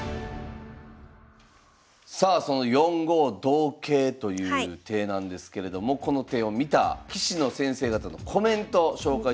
さあその４五同桂という手なんですけれどもこの手を見た棋士の先生方のコメントを紹介したいと思います。